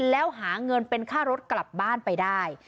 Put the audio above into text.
แล้วหาเงินเป็นค่ารถกลับบ้านไปได้